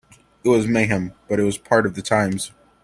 It was mayhem, but it was part of the times.